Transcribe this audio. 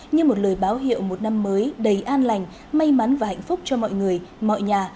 như một lời báo hiệu một năm mới đầy an lành may mắn và hạnh phúc cho mọi người mọi nhà